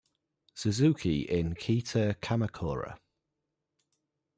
Suzuki in Kita-Kamakura.